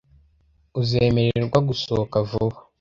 Uzemererwa gusohoka vuba .